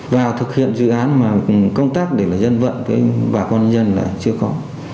vào thực hiện dự án mà công tác để là dân vận với bà con dân là chưa có